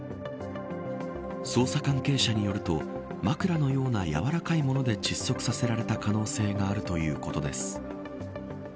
捜査関係者によると枕のような柔らかいもので窒息させられた可能性があるということです。